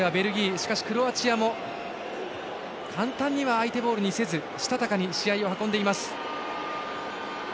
しかし、クロアチアも簡単には相手ボールにせずしたたかに試合を運んでいます。